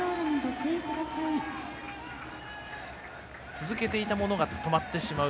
続けていたものが止まってしまう。